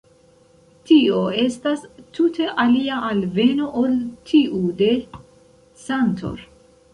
Tio estas tute alia alveno ol tiu de Cantor.